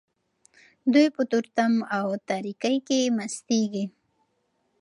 دوی په تورتم او تاریکۍ کې مستیږي.